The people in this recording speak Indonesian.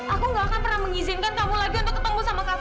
aku gak akan pernah mengizinkan kamu lagi untuk ketemu sama kamu